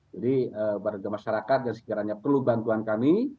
jadi warga masyarakat yang segeranya perlu bantuan kami